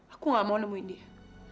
aku gak mau nemuin dia